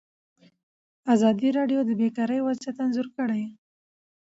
ازادي راډیو د بیکاري وضعیت انځور کړی.